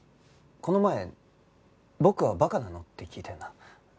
この前「僕はバカなの？」って聞いたよな。